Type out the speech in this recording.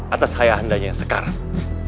atas haya andanya yang sekarang